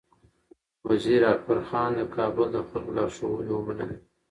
وزیر اکبر خان د کابل د خلکو لارښوونې ومنلې.